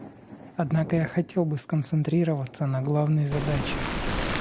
Однако я хотел бы сконцентрироваться на главной задаче.